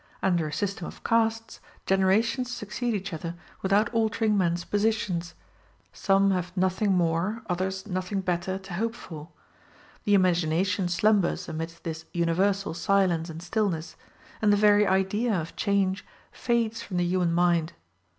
Under a system of castes generations succeed each other without altering men's positions; some have nothing more, others nothing better, to hope for. The imagination slumbers amidst this universal silence and stillness, and the very idea of change fades from the human mind.